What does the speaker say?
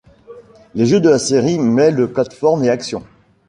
Les jeux de la série mêlent plates-formes et action.